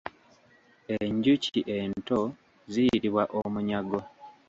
Enjuki ento ziyitibwa Omunyago.